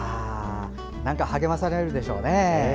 励まされるんでしょうね。